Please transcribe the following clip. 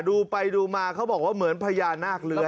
ดูไปดูมาเขาบอกว่าเหมือนพญานาคเลื้อ